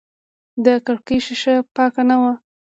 د کړکۍ شیشه پاکه نه وه.